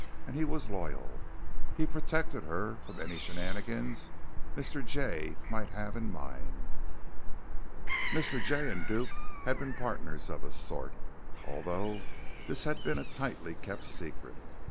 And he was loyal. He protected her from any shenanigans Mr. Jay might have in mind. Mr. Jay and Duke had been partners of a sort, although this had been a tightly kept secret.